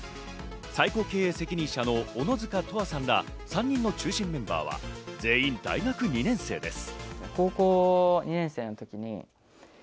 最高経営責任者の小野塚悠さんら３人の中心メンバーは全員大学２年生です。